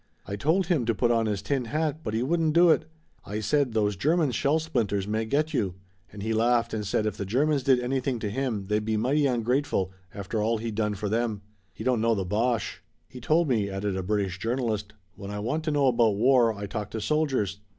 I told him to put on his tin hat, but he wouldn't do it. I said, 'Those German shell splinters may get you,' and he laughed and said if the Germans did anything to him they'd be mighty ungrateful, after all he'd done for them. He don't know the Boche." "He told me," added a British journalist, "'when I want to know about war I talk to soldiers.'